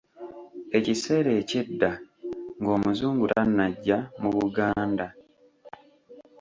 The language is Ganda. Ekiseera eky’edda ng’Omuzungu tannajja, mu Buganda.